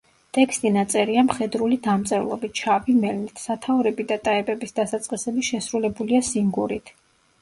ტექსტი ნაწერია მხედრული დამწერლობით, შავი მელნით; სათაურები და ტაეპების დასაწყისები შესრულებულია სინგურით.